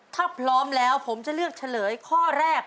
ถ้าพร้อมแล้วผมจะเลือกเฉลยข้อแรก